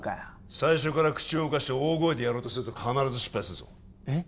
最初から口を動かして大声でやろうとすると必ず失敗するぞえっ？